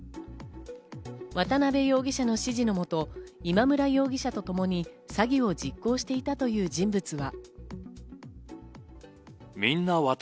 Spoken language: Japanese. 渡辺容疑者の指示のもと、今村容疑者とともに詐欺を実行していたという人物は。